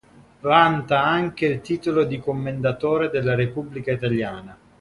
Vanta anche il titolo di commendatore della Repubblica Italiana.